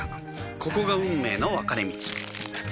ここが運命の分かれ道